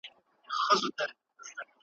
اوس لا ژاړې له آسمانه له قسمته ,